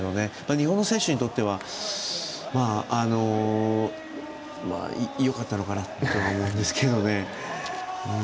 日本の選手にとってはよかったのかなとは思うんですけどね。